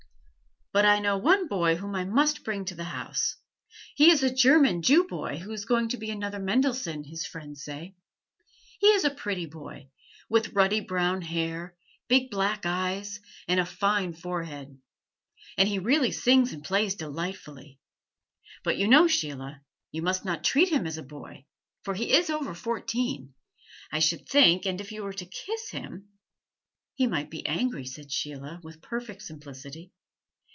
But I know one boy whom I must bring to the house. He is a German Jew boy, who is going to be another Mendelssohn, his friends say. He is a pretty boy, with ruddy brown hair, big black eyes, and a fine forehead; and he really sings and plays delightfully. But you know, Sheila, you must not treat him as a boy, for he is over fourteen, I should think; and if you were to kiss him " "He might be angry," said Sheila, with perfect simplicity.